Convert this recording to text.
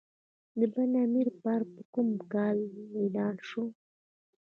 د بند امیر ملي پارک په کوم کال اعلان شو؟